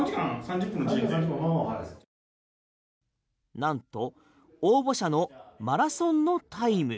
なんと応募者のマラソンのタイム。